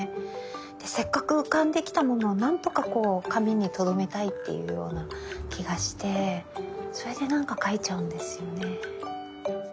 せっかく浮かんできたものを何とか紙にとどめたいっていうような気がしてそれでなんか描いちゃうんですよね。